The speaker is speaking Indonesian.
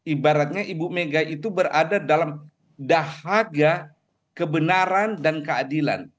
ibaratnya ibu mega itu berada dalam dahaga kebenaran dan keadilan